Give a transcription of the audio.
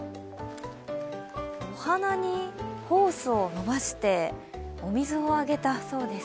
お花にホースを伸ばしてお水をあげたそうです。